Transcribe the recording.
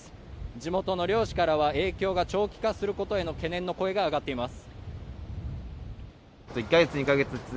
地元の漁師からは影響が長期化することへの懸念の声が上がっています